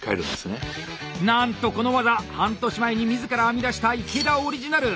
なんとこの技半年前に自ら編み出した池田オリジナル。